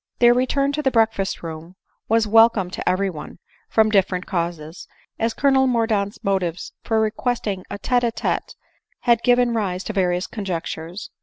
Their return to the breakfast room was welcome to every one, from different causes, as Colonel Mordaunt's motives for requesting a te a tete had given rise to various conjectures.